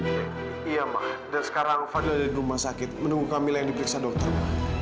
iya mah dan sekarang fadil ada di rumah sakit menunggu kami yang diperiksa dokter